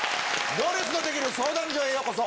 『行列のできる相談所』へようこそ。